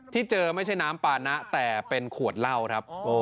ที่เจอไม่ใช่น้ำปานะแต่เป็นขวดเหล้าครับ